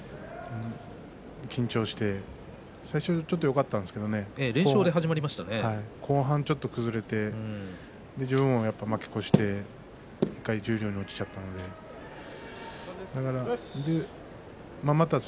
緊張して最初ちょっとよかったんですけど後半ちょっと崩れて自分が負け越して１回十両に落ちちゃったんです。